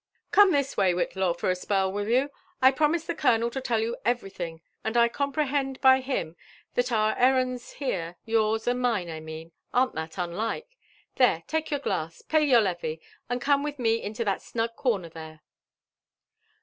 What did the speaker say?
•* Come this way, Whitlaw, for a spell, will you?— I promised the colonel to tell you everything; and I comprehend by him that our ^errands here — yours and mine, I mean — arn't that unlike. — There, tOi LIFE AND ADVENTURES OP take your glass, pay you levy, and come with me into that snug corner there.